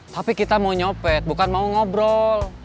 tapi kita mau nyopet bukan mau ngobrol